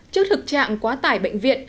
trước thực trạng quá tải bệnh viện